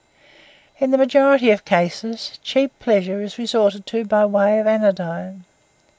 In the majority of cases, cheap pleasure is resorted to by way of anodyne.